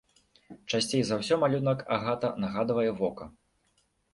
Часцей за ўсё малюнак агата нагадвае вока.